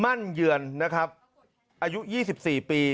มั่นเยือนนะครับอายุ๒๔ปี